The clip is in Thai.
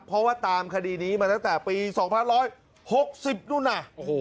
เพราะว่าตามคดีนี้มาตั้งแต่ปี๒๑๖๐นู่นน่ะ